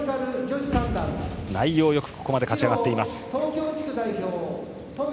内容よくここまで勝ち上がっています。